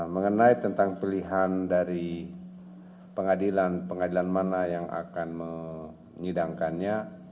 mengenai tentang pilihan dari pengadilan pengadilan mana yang akan menyidangkannya